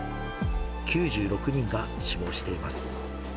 ９６人が死亡しています。